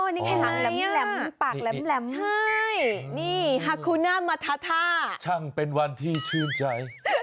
นี่แค่หางแหลมปากแหลมใช่นี่ฮาคูน่ามาท้าทาช่างเป็นวันที่ชื่นใจ